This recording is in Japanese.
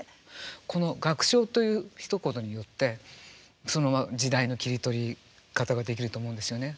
この「楽章」というひと言によってその時代の切り取り方ができると思うんですよね。